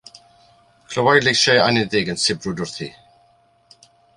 Clywai leisiau anniddig yn sibrwd wrthi.